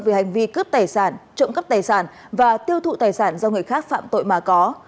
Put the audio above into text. về hành vi cướp tài sản trộm cắp tài sản và tiêu thụ tài sản do người khác phạm tội mà có